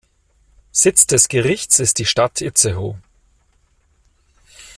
Sitz des Gerichts ist die Stadt Itzehoe.